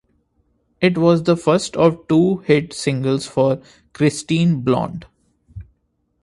It was the first of two hit singles for Kristine Blond.